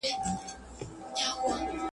تارو يو مرغه دئ، هر چا چي و نيوی د هغه دئ.